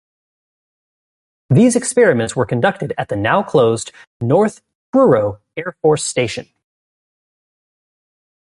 These experiments were conducted at the now closed North Truro Air Force Station.